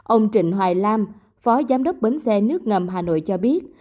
ông trịnh hoài nam phó giám đốc bến xe nước ngầm hà nội cho biết